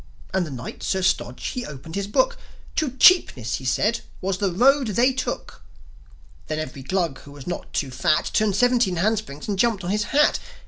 And the Knight, Sir Stodge, he opened his Book: "To Cheapness," he said, "was the road they took." Then every Glug who was not too fat Turned seventeen handsprings, and jumped on his hat.